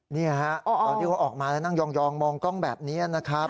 นี่ฮะตอนที่เขาออกมาแล้วนั่งยองมองกล้องแบบนี้นะครับ